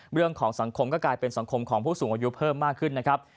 เรื่องของสังคมก็กลายเป็นสังคมของผู้สูงอายุเพิ่มมากขึ้นนะครับ